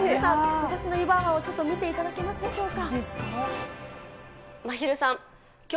皆さん、私の湯婆婆を見ていただけますでしょうか。